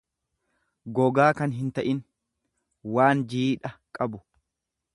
gogaa kan hinta'in, waan jiidha qabu.